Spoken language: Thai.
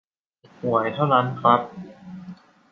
หวยเท่านั้นครับ